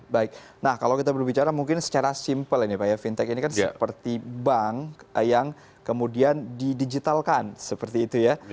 baik nah kalau kita berbicara mungkin secara simpel ini pak ya fintech ini kan seperti bank yang kemudian didigitalkan seperti itu ya